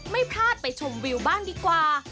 ไม่พลาดไปชมวิวบ้างดีกว่า